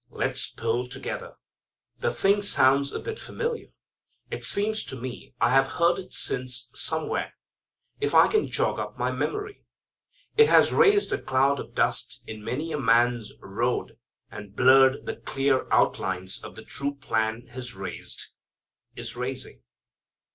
Let's pull together. The thing sounds a bit familiar. It seems to me I have heard it since somewhere, if I can jog up my memory. It has raised a cloud of dust in many a man's road, and blurred the clear outlines of the true plan has raised? is raising.